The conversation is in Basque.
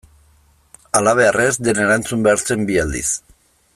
Halabeharrez dena erantzun behar zen bi aldiz.